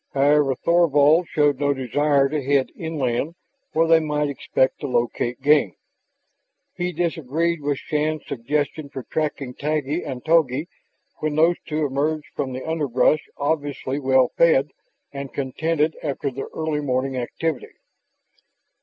However, Thorvald showed no desire to head inland where they might expect to locate game. He disagreed with Shann's suggestion for tracking Taggi and Togi when those two emerged from the underbrush obviously well fed and contented after their early morning activity.